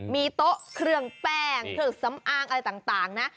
มีโต๊ะเครื่องแป้งเครื่องสำอางอะไรต่างนะ